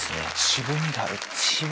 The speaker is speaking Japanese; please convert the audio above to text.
渋みがあるって。